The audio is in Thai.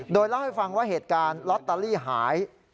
โดยเล่าให้ฟังว่าเหตุการณ์ลอตเตอรี่หาย